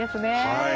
はい。